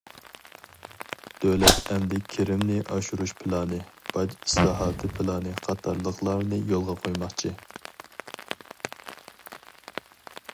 دۆلەت ئەمدى كىرىمنى ئاشۇرۇش پىلانى، باج ئىسلاھاتى پىلانى قاتارلىقلارنى يولغا قويماقچى.